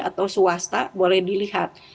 atau swasta boleh dilihat